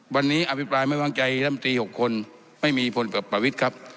วันนี้อภิปรายไม่วางใจลำตี๖คนไม่มีผลกับประวิทย์ครับ